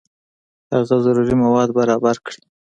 هغه ضروري مواد برابر کړي.